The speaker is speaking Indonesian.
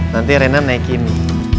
nanti rena naik ini